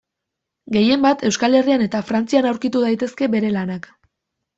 Gehienbat Euskal Herrian eta Frantzian aurkitu daitezke bere lanak.